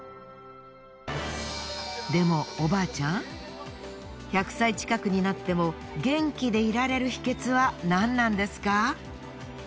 でもおばあちゃん１００歳近くになっても元気でいられる秘訣はなんなんですか？